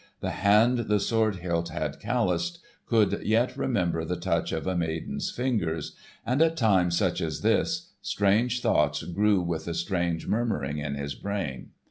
The hand the sword hilt had calloused could yet remember the touch of a maiden's fingers, and at times, such as this, strange thoughts grew with a strange murmuring in his brain.